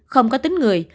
không có tính người